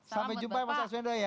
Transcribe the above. sampai jumpa mas arswendo ya